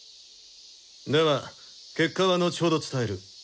では結果は後ほど伝える。